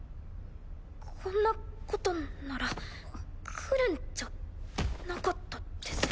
こんなことなら来るんじゃなかったです。